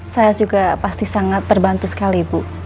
saya juga pasti sangat terbantu sekali bu